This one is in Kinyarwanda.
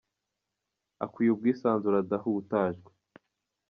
Akwiye ubwisanzure adahutajwe